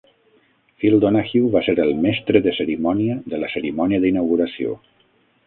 Phil Donahue va ser el mestre de cerimònia de la cerimònia d'inauguració.